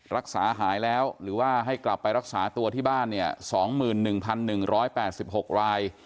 รักษาหายให้กลับรักษาตัวที่บ้าน๒๑๑๘๖ลาย